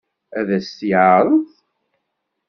Ad as-t-yeɛṛeḍ?